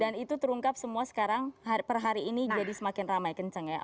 dan itu terungkap semua sekarang per hari ini jadi semakin ramai kencang ya